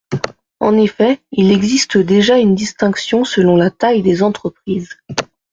En effet, il existe déjà une distinction selon la taille des entreprises.